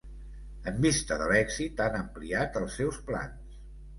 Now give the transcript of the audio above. En vista de l'èxit, han ampliat els seus plans.